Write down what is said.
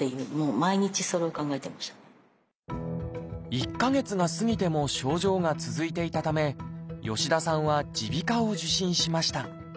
１か月が過ぎても症状が続いていたため吉田さんは耳鼻科を受診しました。